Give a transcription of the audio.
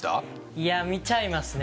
いや見ちゃいますね